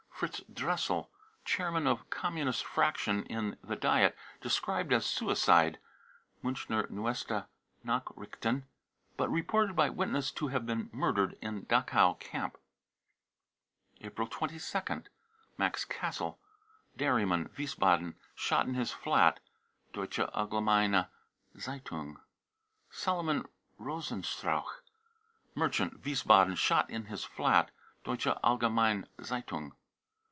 fritz dressel, Chairman of Communist fraction in the Diet, described as suicide (Miinckier Meueste Nachricf&en ), but reported by witness to have been murdered in Dachau camp. April 22nd. max cassel, dairyman, Wiesbaden, shot in his flat. (Deutsche AUgemeine Zntung.) Salomon rosenstrauch, mer chant, Wiesbaden, shot in his flat. (Deutsche AUgemeine Zeitung.)